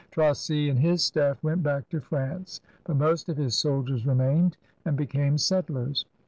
Tracy and his staff went back to France, but most of his soldiers remained and became settlers.